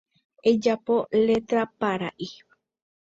Ejapo letra paraʼi.